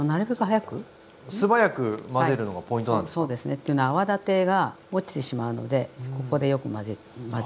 っていうのは泡立てがおちてしまうのでここでよく混ぜるでしょ。